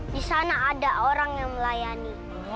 disana ada orang yang melayani